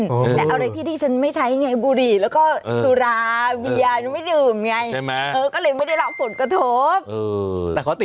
แต่อะไรที่ที่ฉันไม่ใช้ไงบุหรี่แล้วก็สุราเวียฉันไม่ดื่มไงใช่ไหม